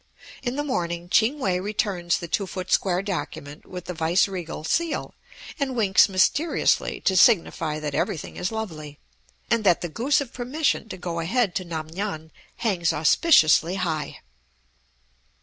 In the morning Ching We returns the two foot square document with the Viceregal seal, and winks mysteriously to signify that everything is lovely, and that the goose of permission to go ahead to Nam ngan hangs auspiciously high.